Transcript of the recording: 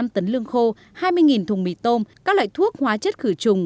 năm năm tấn lương khô hai mươi thùng mì tôm các loại thuốc hóa chất khử trùng